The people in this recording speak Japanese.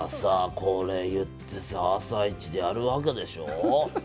これ言ってさ「あさイチ」でやるわけでしょう。